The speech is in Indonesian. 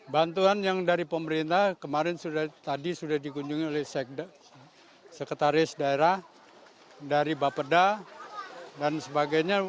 bantuan yang dari pemerintah kemarin tadi sudah dikunjungi oleh sekretaris daerah dari bapeda dan sebagainya